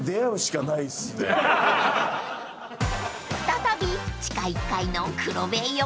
［再び］